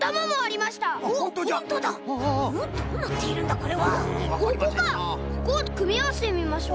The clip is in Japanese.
ここをくみあわせてみましょう。